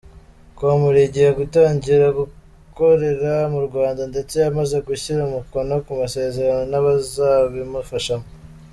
com rigiye gutangira gukorera mu Rwanda ndetse yamaze gushyira umukono ku masezerano n’abazabimufashamo.